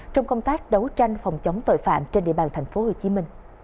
trong công tác đấu tranh phòng chống tội phạm trên địa bàn tp hcm